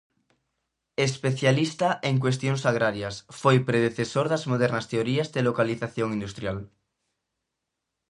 Especialista en cuestións agrarias, foi predecesor das modernas teorías de localización industrial.